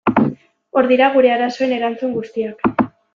Hor dira gure arazoen erantzun guziak.